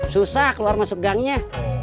susah keluar masuk gangnya